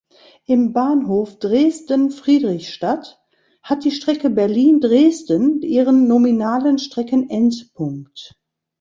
Im Bahnhof Dresden-Friedrichstadt hat die Strecke Berlin–Dresden ihren nominalen Streckenendpunkt.